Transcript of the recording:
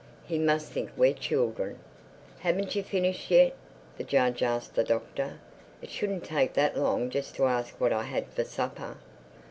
He must think we're children." "Haven't you finished yet?" the judge asked the Doctor. "It shouldn't take that long just to ask what I had for supper."